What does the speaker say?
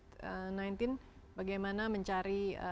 nineteen bagaimana mencari